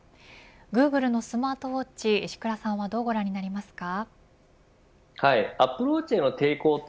グーグルのスマートウォッチ石倉さんはどうご覧になりますか。